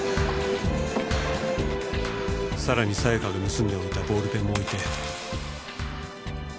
さらに沙也加が盗んでおいたボールペンも置いて。